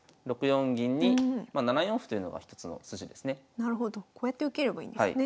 なるほどこうやって受ければいいんですね。